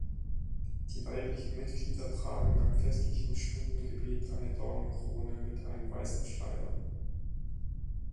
Die weiblichen Mitglieder tragen beim festlichen Stundengebet eine Dornenkrone mit einem weißen Schleier.